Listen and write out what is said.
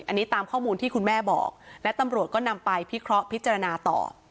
อันนี้ตามข้อมูลที่คุณแม่บอกและตำรวจก็นำไปพิเคราะห์พิจารณาต่อ